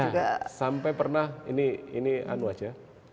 iya sampai pernah ini anu aja